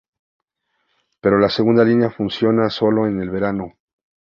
Pero la segunda línea funciona solo en el verano.